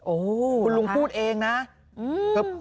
โอ้นะคะคุณลุงพูดเองนะอื้ออื้อ